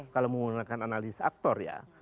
kalau menggunakan analisis aktor ya